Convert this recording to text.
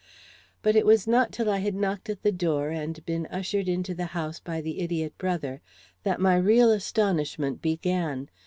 But it was not till I had knocked at the door and been ushered into the house by the idiot brother, that my real astonishment began.